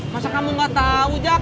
masa kamu gak tau jack